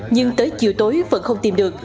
nhưng tới chiều tối vẫn không tìm được